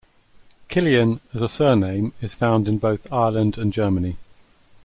Killian, as a surname, is found in both Ireland and Germany.